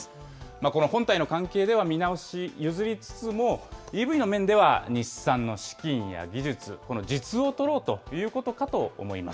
この本体の関係では見直し譲りつつも、ＥＶの面では、日産の資金や技術、この実を取ろうということかと思います。